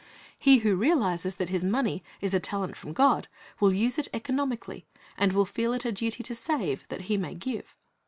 He who realizes that his money is a talent from God will use it economically, and will feel it a duty to save, that he may give.